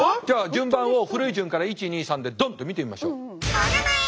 じゃあ順番を古い順から１２３でドンッと見てみましょう。